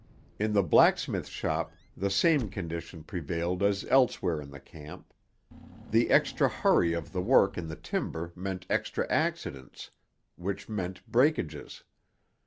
In the blacksmith shop the same condition prevailed as elsewhere in the camp. The extra hurry of the work in the timber meant extra accidents, which meant breakages.